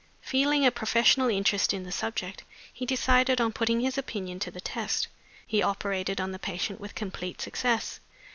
Feeling a professional interest in the subject, he decided on putting his opinion to the test. He operated on the patient with complete success.